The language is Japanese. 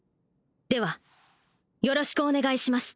ではよろしくお願いします